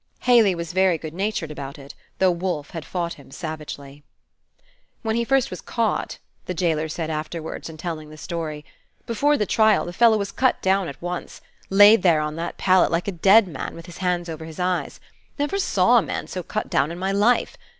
Haley was very good natured about it, though Wolfe had fought him savagely. "When he was first caught," the jailer said afterwards, in telling the story, "before the trial, the fellow was cut down at once, laid there on that pallet like a dead man, with his hands over his eyes. Never saw a man so cut down in my life.